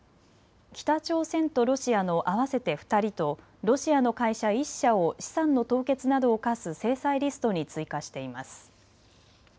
北朝鮮とロシアの合わせて２人とロシアの会社１社を資産の凍結などを科す制裁リストに追加しています。